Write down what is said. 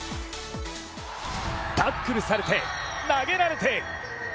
タックルされて投げられて。